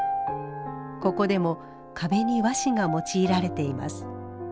ここでも壁に和紙が用いられています。